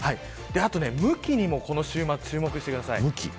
向きにもこの週末、注目してください。